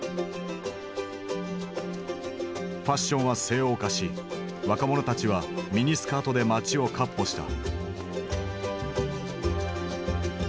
ファッションは西欧化し若者たちはミニスカートで街を闊歩した。